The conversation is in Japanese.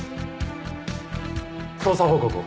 捜査報告を。